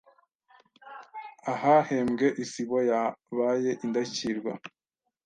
ahahembwe Isibo yabaye Indashyikirwa